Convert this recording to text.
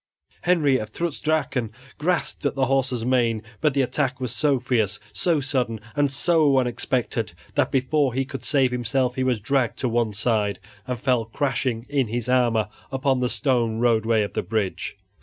Henry of Trutz Drachen grasped at his horse's mane, but the attack was so fierce, so sudden, and so unexpected that before he could save himself he was dragged to one side and fell crashing in his armor upon the stone roadway of the bridge.